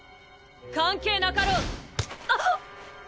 関係なかろう！あっ！